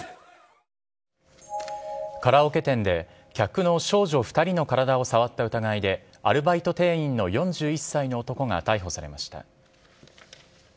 カラオケ店で客の少女２人の体を触った疑いでアルバイト店員の４１歳の男が逮捕されました。